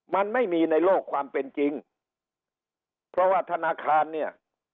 มันไม่มีในโลกความเป็นจริงเพราะว่าธนาคารเนี่ย